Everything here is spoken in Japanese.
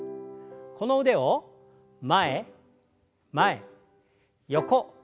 この腕を前前横横。